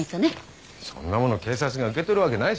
そんな物警察が受け取るわけないじゃない。